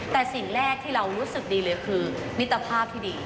แต่สิ่งแรกที่เรารู้สึกดีเลยคือมิตรภาพที่ดี